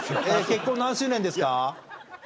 結婚何周年ですか？